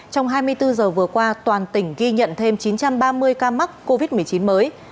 trong hai mươi bốn giờ vừa qua toàn tỉnh ghi nhận thêm chín trăm ba mươi ca mắc covid một mươi chín mới